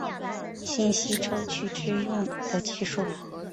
信息抽取之用的技术。